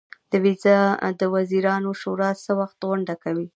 د وزیرانو شورا څه وخت غونډه کوي؟